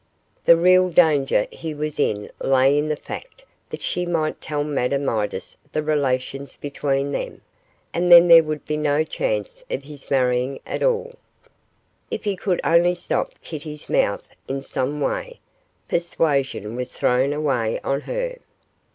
The real danger he was in lay in the fact that she might tell Madame Midas the relations between them, and then there would be no chance of his marrying at all. If he could only stop Kitty's mouth in some way persuasion was thrown away on her.